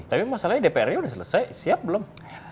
tapi masalahnya dprd sudah selesai siap belum